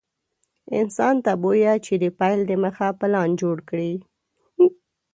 انسان ته بويه چې د پيل دمخه پلان جوړ کړي.